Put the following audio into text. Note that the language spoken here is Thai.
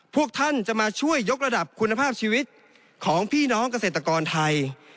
พวกท่านจะมาช่วยยกระดับคุณภาพชีวิตของพี่น้องเกษตรกรไทย